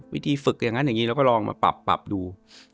วิธีฝึกอย่างงั้นแล้วก็ลองมาปรับดู